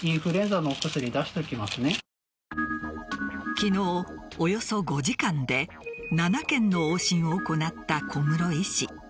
昨日、およそ５時間で７件の往診を行った小室医師。